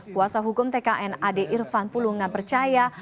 kuasa hukum tkn ade irfan pulungan percaya